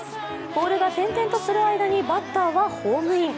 ボールが転々とする間にバッターはホームイン。